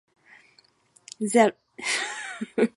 Zemřel ve všeobecné nemocnici na mrtvici.